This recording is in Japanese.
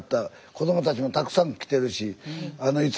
子どもたちもたくさん来てるし。